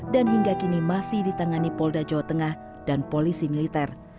dan hingga kini masih ditangani polda jawa tengah dan polisi militer